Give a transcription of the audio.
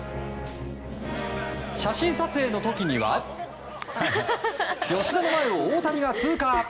写真撮影の時には吉田の前を大谷が通過。